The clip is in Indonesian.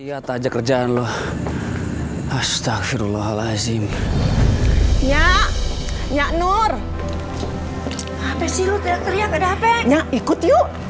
ia tajak kerjaan loh astaghfirullahaladzim ya ya nur apa sih lu teriak teriak ada hpnya ikut yuk